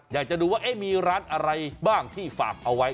อยากจะดูว่ามีร้านอะไรบ้างที่ฝากเอาไว้